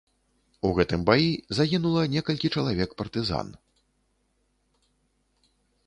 У гэтым баі загінула некалькі чалавек партызан.